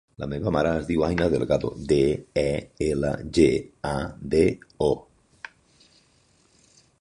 La meva mare es diu Aina Delgado: de, e, ela, ge, a, de, o.